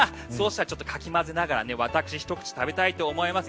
ちょっとかき混ぜながら私ひと口食べたいと思います。